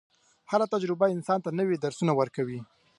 هره تجربه انسان ته نوي درسونه ورکوي.